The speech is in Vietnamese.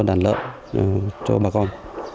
đàn lợn cho bà con